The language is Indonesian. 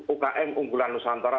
ukm unggulan nusantara